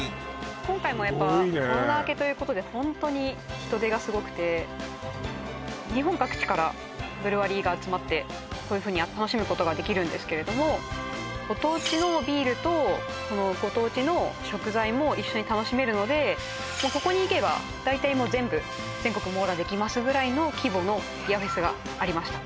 今回もコロナ明けということでホントに人出がすごくて日本各地からブルワリーが集まってこういうふうに楽しむことができるんですけれどもご当地のビールとご当地の食材も一緒に楽しめるのでここに行けば大体もう全部全国網羅できますぐらいの規模のビアフェスがありました